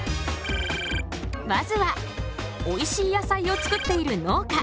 まずはおいしい野菜を作っている農家。